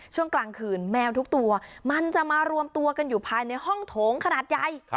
ช่วงกลางคืนแมวทุกตัวมันจะมารวมตัวกันอยู่ภายในห้องโถงขนาดใหญ่